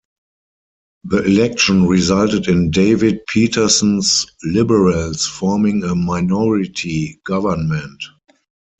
The election resulted in David Peterson's Liberals forming a minority government.